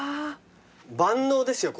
万能ですよ